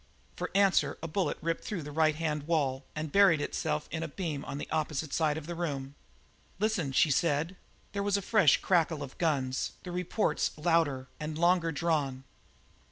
For answer a bullet ripped through the right hand wall and buried itself in a beam on the opposite side of the room. "Listen!" she said. There was a fresh crackle of guns, the reports louder and longer drawn.